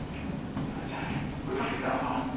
兄ちゃん嘘ついたのか？